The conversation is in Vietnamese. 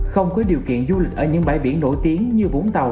không có điều kiện du lịch ở những bãi biển nổi tiếng như vũng tàu